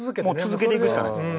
続けていくしかないですよ。